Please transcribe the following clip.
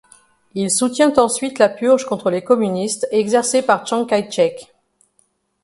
Il soutient ensuite la purge contre les communistes exercée par Tchang Kaï-chek.